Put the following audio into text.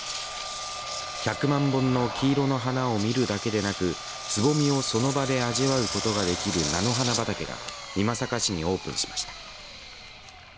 １００万本の黄色の花を見るだけでなくつぼみをその場で味わうことができる菜の花畑が美作市にオープンしました。